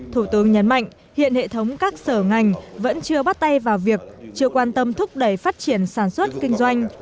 thủ tướng nhấn mạnh hiện hệ thống các sở ngành vẫn chưa bắt tay vào việc chưa quan tâm thúc đẩy phát triển sản xuất kinh doanh